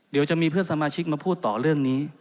เดี๋ยวจะมีเพื่อนสมาชิกมาพูดต่อเรื่องนี้